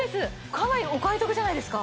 かなりお買い得じゃないですか？